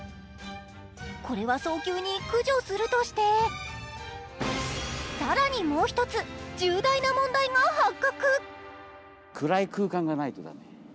これは早急に駆除するとして、更にもう１つ、重大な問題が発覚。